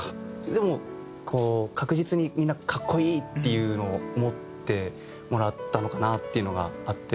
でも確実にみんな格好いいっていうのを思ってもらったのかなっていうのがあって。